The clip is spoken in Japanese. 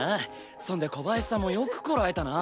そんで小林さんもよくこらえたな。